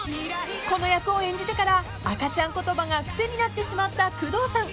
［この役を演じてから赤ちゃん言葉が癖になってしまった工藤さん］